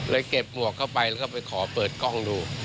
เก็บหมวกเข้าไปแล้วก็ไปขอเปิดกล้องดู